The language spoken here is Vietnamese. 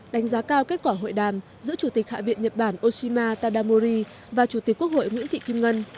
đánh giá cao kết quả hội đàm giữa chủ tịch hạ viện nhật bản oshima tadamori và chủ tịch quốc hội nguyễn thị kim ngân